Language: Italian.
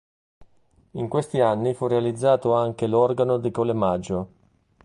In questi anni fu realizzato anche l'organo di Collemaggio.